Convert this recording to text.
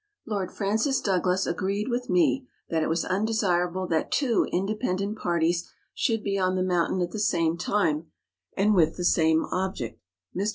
Lord Francis Douglas agreed with me that it was undesirable that two independent parties should be on the mountain at the same time, and with the same object. Mr.